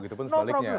gitu pun sebaliknya